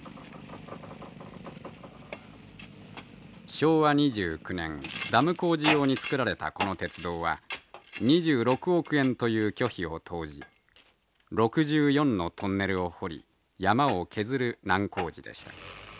昭和２９年ダム工事用に造られたこの鉄道は２６億円という巨費を投じ６４のトンネルを掘り山を削る難工事でした。